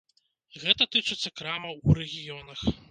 Гэта тычыцца крамаў у рэгіёнах.